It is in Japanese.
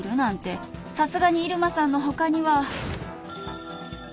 ［さすがに入間さんの他には］